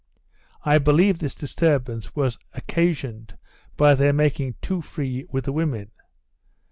I believe this disturbance was occasioned by their making too free with the women.